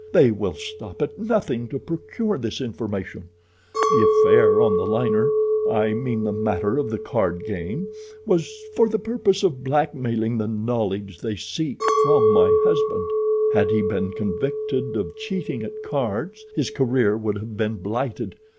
They will stop at nothing to procure this information. The affair on the liner—I mean the matter of the card game—was for the purpose of blackmailing the knowledge they seek from my husband. "Had he been convicted of cheating at cards, his career would have been blighted.